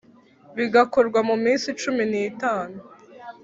bigakorwa mu minsi cumi n itanu